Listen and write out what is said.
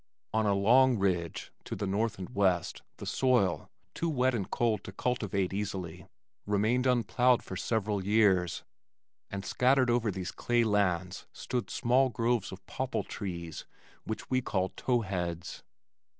On a long ridge to the north and west, the soil, too wet and cold to cultivate easily, remained unplowed for several years and scattered over these clay lands stood small groves of popple trees which we called "tow heads."